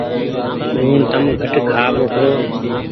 لوڻ تم گھٽ کآ ٻوکرو ۔